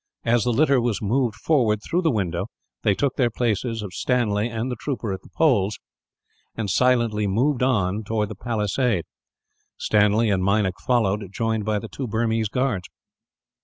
As the litter was moved forward through the window, they took the places of Stanley and the trooper at the poles, and silently moved on towards the palisade. Stanley and Meinik followed, joined by the two Burmese guards.